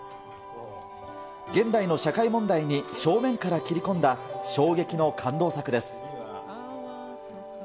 現代の社会問題に正面から切り込んだ衝撃の感動作です。